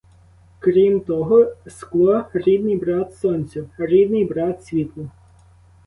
Крім того, скло — рідний брат сонцю; рідний брат світлу.